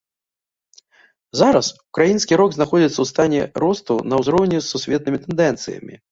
Зараз ўкраінскі рок знаходзіцца ў стане росту на ўзроўні з сусветнымі тэндэнцыямі.